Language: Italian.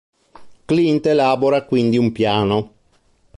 Clint elabora quindi un piano.